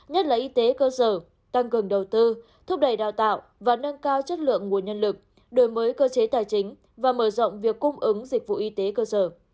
nhất là y tế cơ sở tăng cường đầu tư thúc đẩy đào tạo và nâng cao chất lượng nguồn nhân lực đổi mới cơ chế tài chính và mở rộng việc cung ứng dịch vụ y tế cơ sở